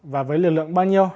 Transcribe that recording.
và với lượng lượng bao nhiêu